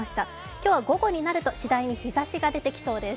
今日は午後になるとしだいに日ざしが出てきそうです。